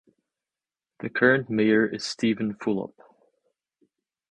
The current mayor is Steven Fulop.